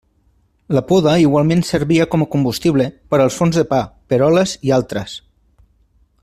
La poda igualment servia com combustible per als forns de pa, peroles i altres.